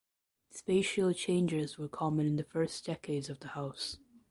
Spatial changes were common in the first decades of the house.